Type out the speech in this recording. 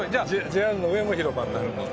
ＪＲの上も広場になるので。